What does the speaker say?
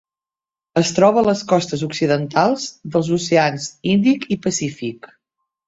Es troba a les costes occidentals dels oceans Índic i Pacífic.